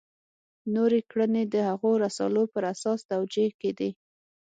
نورې کړنې د هغو رسالو پر اساس توجیه کېدې.